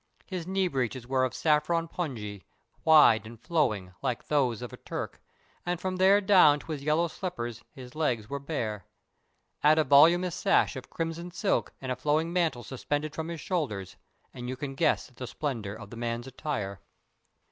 His knee breeches were of saffron pongee, wide and flowing, like those of a Turk, and from there down to his yellow slippers his legs were bare. Add a voluminous sash of crimson silk and a flowing mantle suspended from his shoulders, and you can guess the splendor of the man's attire.